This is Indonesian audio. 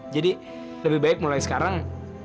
jadi lebih baik mulai sekarang